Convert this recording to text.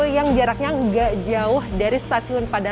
yang jaraknya tidak jauh dari stasiun padalarang